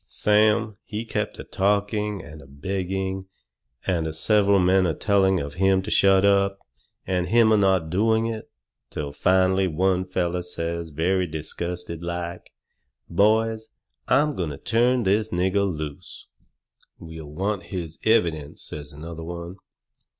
Sam, he kept a talking and a begging, and several men a telling of him to shut up. And him not a doing it. Till finally one feller says very disgusted like: "Boys, I'm going to turn this nigger loose." "We'll want his evidence," says another one.